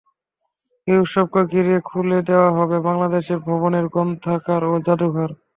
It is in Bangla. এই উৎসবকে ঘিরে খুলে দেওয়া হবে বাংলাদেশ ভবনের গ্রন্থাগার ও জাদুঘর।